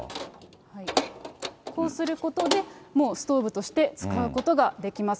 こうすることで、もうストーブとして使うことができます。